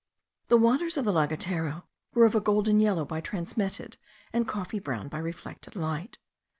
The waters of the Lagartero were of a golden yellow by transmitted, and coffee brown by reflected light.